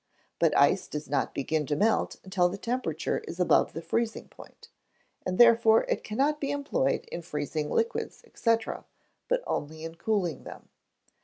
But ice does not begin to melt until the temperature is above the freezing point, and therefore it cannot be employed in freezing liquids, &c., but only in cooling them.